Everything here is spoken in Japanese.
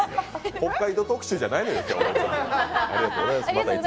北海道特集じゃないのよ、今日。